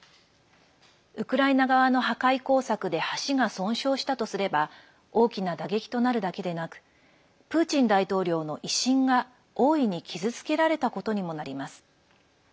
ウクライナ側の破壊工作で橋が損傷したとすれば大きな打撃となるだけでなくプーチン大統領の威信が大いに傷つけられたことにもなります。